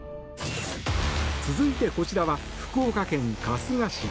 続いてこちらは、福岡県春日市。